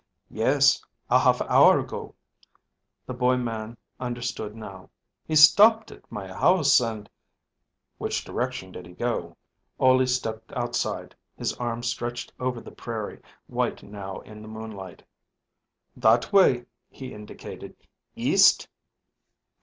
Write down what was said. "Yes, a half hour ago." The boy man understood now. "He stopped at my house, and " "Which direction did he go?" Ole stepped outside, his arm stretched over the prairie, white now in the moonlight. "That way," he indicated. "East."